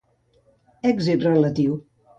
Èxit relatiu.